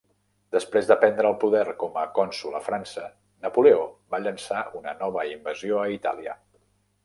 Després de prendre el poder com a cònsol a França, Napoleó va llançar una nova invasió a Itàlia.